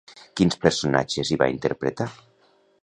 Quins personatges hi va interpretar?